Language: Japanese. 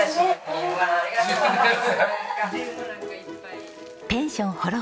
うわあありがとうございます。